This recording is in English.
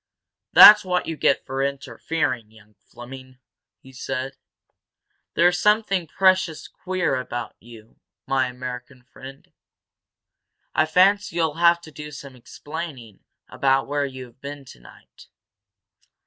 "That's what you get for interfering, young Fleming!" he said. "There's something precious queer about you, my American friend. I fancy you'll have to do some explaining about where you've been tonight."